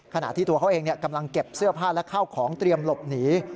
ขณะที่ตัวเขาเองกำลังเก็บเสื้อผ้าและข้าวของเตรียมหลบหนี